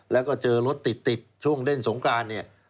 แล้วก็เจอรถติดช่วงเล่นสงกรานเนี่ย